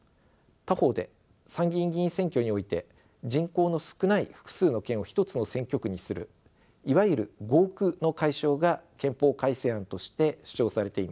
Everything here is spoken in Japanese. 他方で参議院議員選挙において人口の少ない複数の県を一つの選挙区にするいわゆる合区の解消が憲法改正案として主張されています。